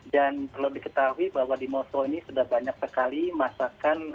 dan perlu diketahui bahwa di moskow ini sudah banyak sekali masakan atau restoran restoran halal